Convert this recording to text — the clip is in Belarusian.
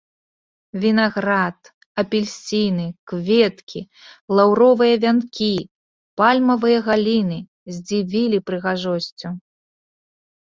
Вінаград, апельсіны, кветкі, лаўровыя вянкі, пальмавыя галіны здзівілі прыгожасцю.